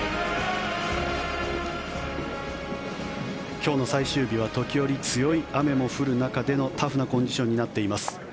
今日の最終日は時折、強い雨も降る中でのタフなコンディションになっています。